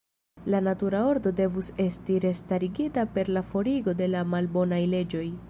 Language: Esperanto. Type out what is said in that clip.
La natura ordo devus esti restarigita per la forigo de la malbonaj leĝoj.